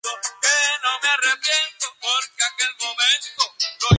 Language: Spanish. Julia Elena Fortún y León M. Loza entre otros.